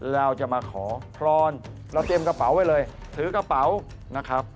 เราจะมาขอพรเราเตรียมกระเป๋าไว้เลยถือกระเป๋านะครับ